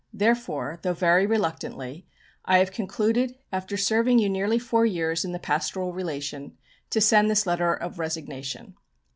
Therefore, though very reluctantly, I have concluded, after serving you nearly four years in the pastoral relation, to send this letter of resignation....